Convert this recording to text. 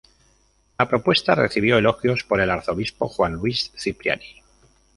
La propuesta recibió elogios por el arzobispo Juan Luis Cipriani.